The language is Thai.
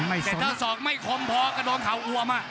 แต่ถ้าสอกไม่คมพอกระโดนเขาอวำ